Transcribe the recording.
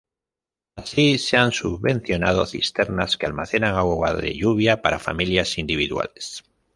Así, se han subvencionado cisternas que almacenan agua de lluvia para familias individuales.